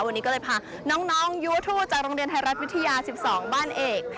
วันนี้ก็เลยพาน้องยูทูปจากโรงเรียนไทยรัฐวิทยา๑๒บ้านเอก